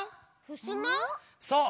そう！